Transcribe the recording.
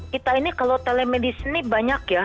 kita ini kalau telemedicine banyak ya